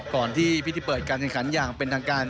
ก่อนที่พิธีเปิดการแข่งขันอย่างเป็นทางการ